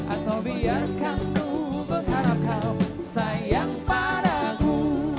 atau biarkan ku mengharap kau sayang padamu